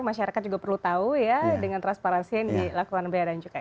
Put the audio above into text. masyarakat juga perlu tahu ya dengan transparansi yang dilakukan becukai